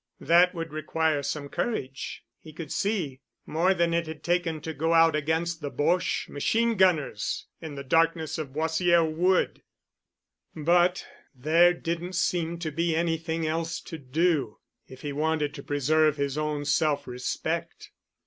That would require some courage, he could see, more than it had taken to go out against the Boche machine gunners in the darkness of Boissière Wood, but there didn't seem to be anything else to do, if he wanted to preserve his own self respect....